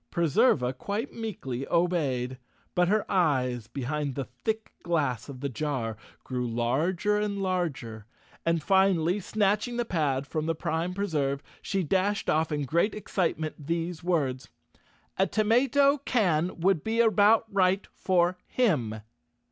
Preserva quite meekly obeyed, but her eyes, behind the thick glass of the jar, grew larger and larger, and finally, snatching the pad from the Prime Preserve, she dashed off in great excitement these words, "A tomato can would be about right for him!"